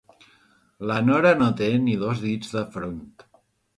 La Nora no té ni dos dits de front.